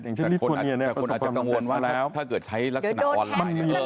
แต่คนอาจจะกังวลว่าแล้วถ้าเกิดใช้ลักษณะออนไลน์